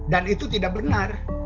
dan itu tidak benar